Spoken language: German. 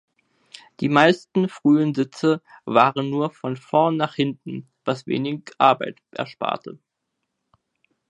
Die meisten frühen Sitze waren nur von vorn nach hinten, was wenig Arbeit ersparte.